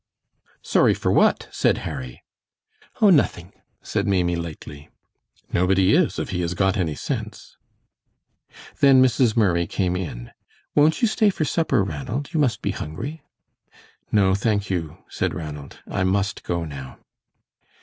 "Sorry for what?" said Harry. "Oh, nothing," said Maimie, lightly. "Nobody is, if he has got any sense." Then Mrs. Murray came in. "Won't you stay for supper, Ranald? You must be hungry." "No, thank you," said Ranald. "I must go now."